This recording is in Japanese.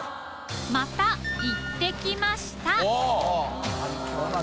また行ってきましたおっ！